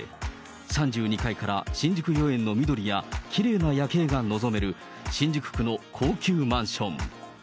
３２階から新宿御苑の緑やきれいな夜景が望める、新宿区の高級マンション。